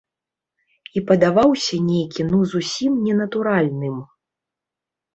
І падаваўся нейкі ну зусім ненатуральным.